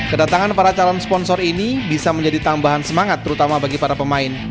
kedatangan para calon sponsor ini bisa menjadi tambahan semangat terutama bagi para pemain